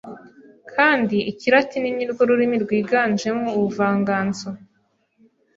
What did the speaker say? kandi ikilatini ni rwo rurimi rwiganjemo ubuvanganzo